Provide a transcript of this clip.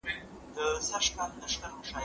که وخت وي، قلم استعمالوموم!.